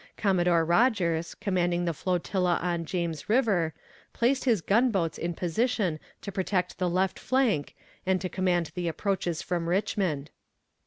Commodore Rodgers, commanding the flotilla on James river, placed his gun boats in position to protect the left flank and to command the approaches from Richmond.